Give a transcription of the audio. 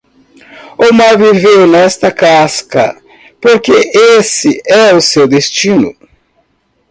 O mar viveu nesta casca? porque esse é o seu destino.